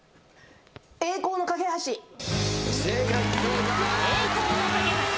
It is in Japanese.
『栄光の架橋』正解。